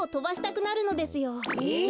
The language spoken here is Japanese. えっ？